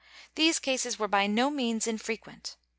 These cases were by no means infrequent.